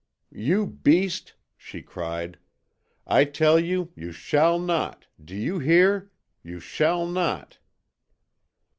"You beast!" she cried. "I tell you, you SHALL NOT! Do you hear? You SHALL NOT!"